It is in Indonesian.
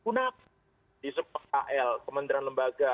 punah di semua kal kementerian lembaga